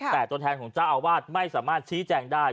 แต่ตัวแทนของเจ้าอาวาสไม่สามารถชี้แจงได้